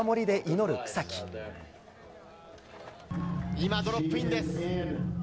今、ドロップインです。